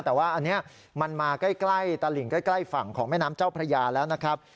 แต่ว่าอันเนี้ยมันมาใกล้ใกล้ตลิ่นใกล้ใกล้ฝั่งของแพ้น้ำเจ้าพรรยาแล้วนะครับ